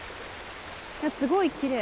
すごいきれい。